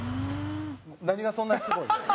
何がそんなにすごいのか。